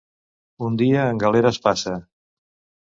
Un dia, en galera es passa.